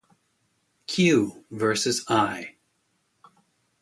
Q. versus I.